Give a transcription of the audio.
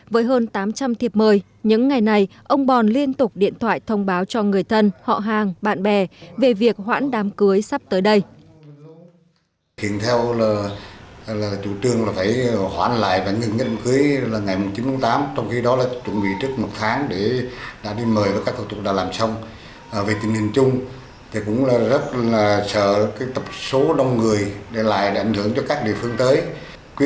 với hơn tám trăm linh thiệp mời những ngày này ông bòn liên tục điện thoại thông báo cho người thân họ hàng bạn bè về việc hoãn đám cưới sắp tới đây